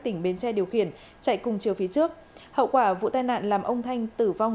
tỉnh bến tre điều khiển chạy cùng chiều phía trước hậu quả vụ tai nạn làm ông thanh tử vong